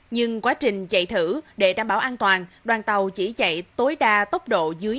nhưng quá trình chạy thử để đảm bảo an toàn đoàn tàu chỉ chạy tối đa tốc độ dưới năm mươi km